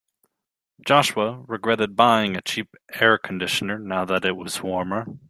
Joshua regretted buying a cheap air conditioner now that it was warmer.